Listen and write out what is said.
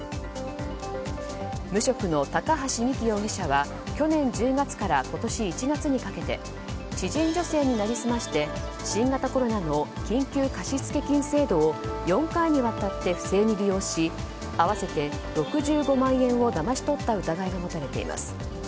無職の高橋実希容疑者は去年１０月から今年１月にかけ知人女性に成り済まして新型コロナの緊急貸付金制度を４回にわたって不正に利用し合わせて６５万円をだまし取った疑いが持たれています。